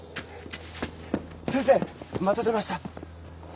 先生また出ました。